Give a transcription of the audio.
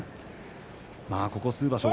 ここ数場所